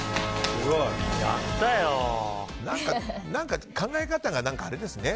何か考え方があれですね。